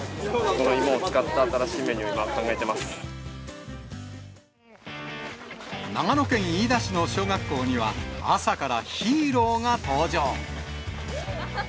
この芋を使った新しいメニュ長野県飯田市の小学校には、朝からヒーローが登場。